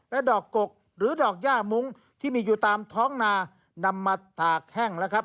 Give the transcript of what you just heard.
ดอกกกหรือดอกย่ามุ้งที่มีอยู่ตามท้องนานำมาตากแห้งแล้วครับ